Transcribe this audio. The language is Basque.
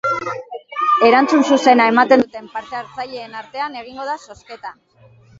Erantzun zuzena ematen duten parte hartzaileen artean egingo da zozketa.